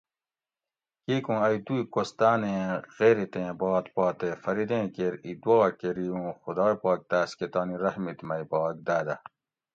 کیکوں ائ دُوئ کوستانیں غیرِتیں بات پا تے فریدیں کیر ای دُعا کری اُوں خُدائ پاک تاۤس کہ تانی رحمِت مئ باگ داۤدہ